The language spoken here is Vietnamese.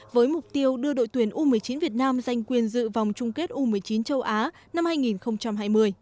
với mục tiêu đưa đội tuyển u một mươi chín việt nam giành quyền dự vòng chung kết u một mươi chín châu á năm hai nghìn hai mươi